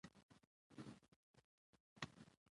زه له قلم سره علاقه لرم.